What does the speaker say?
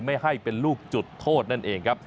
ไม่ให้เป็นลูกจุดโทษนั่นเองครับ